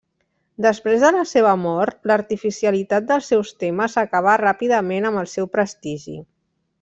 Després de la seva mort, l'artificialitat dels seus temes acabà ràpidament amb el seu prestigi.